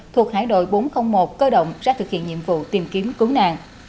thuộc hải đội bốn trăm linh một cơ động ra thực hiện nhiệm vụ tìm kiếm cứu nạn